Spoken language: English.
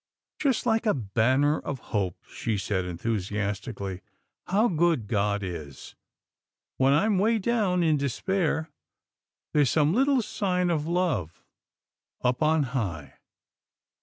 " Just like a banner of hope," she said, enthu siastically, how good God is. When I'm way down, in despair, there's some little sign of love up on high."